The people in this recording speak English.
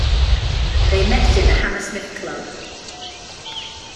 They met in a Hammersmith club.